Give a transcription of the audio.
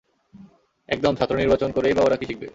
একদম, ছাত্র নির্বাচন করেই-বা ওরা কী শিখবে?